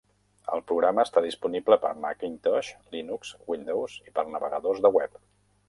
El programa està disponible per Macintosh, Linux, Windows i per navegadors de web.